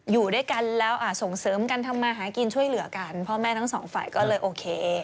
อยู่ด้วยกันแล้วส่งเสริมกันทำมาหากินช่วยเหลือกันพ่อแม่ทั้งสองฝ่ายก็เลยโอเค